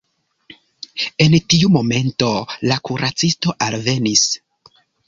En tiu momento la kuracisto alvenis.